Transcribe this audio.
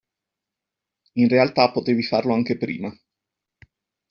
In realtà potevi farlo anche prima.